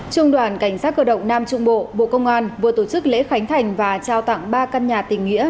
trung đoàn cảnh sát cơ động nam trung bộ bộ công an vừa tổ chức lễ khánh thành và trao tặng ba căn nhà tình nghĩa